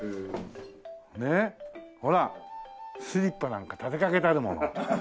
スリッパなんか立てかけてあるもの。